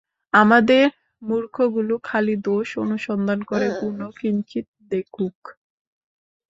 আমাদের মূর্খগুলো খালি দোষ অনুসন্ধান করে, গুণও কিঞ্চিৎ দেখুক।